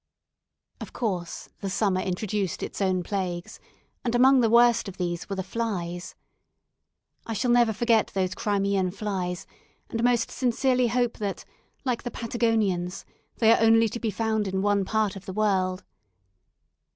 Of course the summer introduced its own plagues, and among the worst of these were the flies. I shall never forget those Crimean flies, and most sincerely hope that, like the Patagonians, they are only to be found in one part of the world.